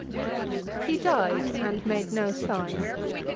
He died and made no sign.